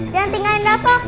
jangan tinggalkan rafa